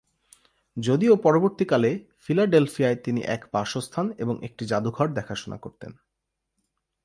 যদিও পরবর্তীকালে, ফিলাডেলফিয়ায় তিনি এক বাসস্থান এবং একটি জাদুঘর দেখাশোনা করতেন।